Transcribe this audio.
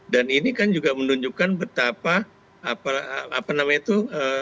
dan ini kan juga menunjukkan betapa apa namanya itu